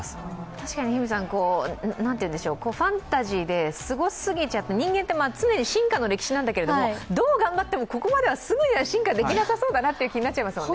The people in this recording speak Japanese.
確かにファンタジーですごすぎちゃって人間って、常に進化の歴史なんだけれども、どう頑張ってもここまではすぐには進化できなさそうだなという気になっちゃいますもんね。